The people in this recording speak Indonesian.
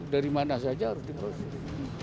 dari mana saja harus diproses